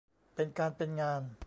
เป็นการเป็นงาน